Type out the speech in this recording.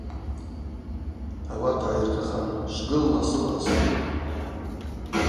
Ауат гӏайыршӏыхан – Швгыл ласылас.